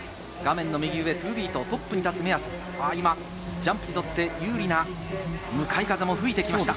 ＴＯＢＥＡＴ、トップに立つ目安、ジャンプにとって有利な向かい風も吹いてきました。